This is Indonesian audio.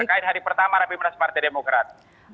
terkait hari pertama rapimnas partai demokrat